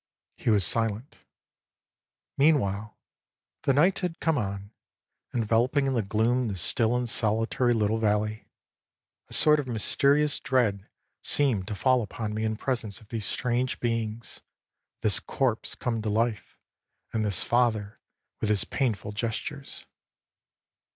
â He was silent. Meanwhile the night had come on, enveloping in the gloom the still and solitary little valley; a sort of mysterious dread seemed to fall upon me in presence of these strange beings this corpse come to life, and this father with his painful gestures.